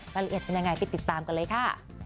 รายละเอียดเป็นยังไงไปติดตามกันเลยค่ะ